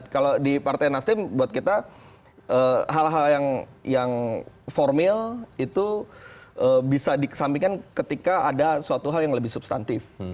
kalau di partai nasdem buat kita hal hal yang formil itu bisa dikesampingkan ketika ada suatu hal yang lebih substantif